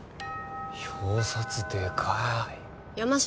表札でかい山城